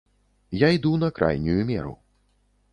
Я іду на крайнюю меру.